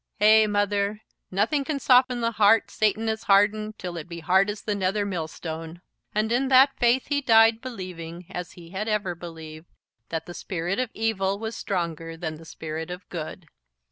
"Eh, mother; nothing can soften the heart Satan has hardened, till it be hard as the nether millstone." And in that faith he died believing, as he had ever believed, that the spirit of evil was stronger than the spirit of good.